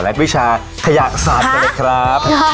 และวิชาขยะศาสตร์กันเลยครับ